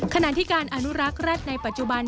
ขณะที่การอนุรักษ์แร็ดในปัจจุบัน